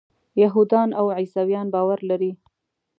یهودان او عیسویان باور لري.